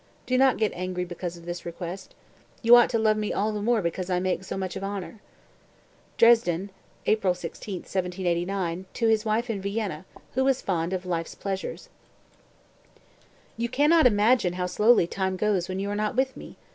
Do not get angry because of this request. You ought to love me all the more because I make so much of honor." (Dresden, April 16, 1789, to his wife, in Vienna, who was fond of life's pleasures.) 198. "You can not imagine how slowly time goes when you are not with me!